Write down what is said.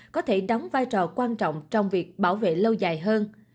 có thể đóng vai trò quan trọng trong việc bảo vệ lâu dài hơn